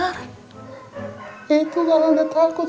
ya itu kalau gak takut